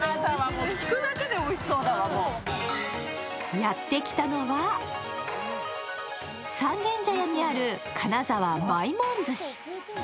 やってきたのは三軒茶屋にある金沢まいもん寿司。